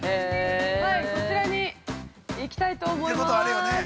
こちらに行きたいと思います。